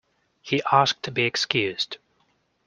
He asked to be excused